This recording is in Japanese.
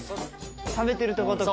食べてるとことか。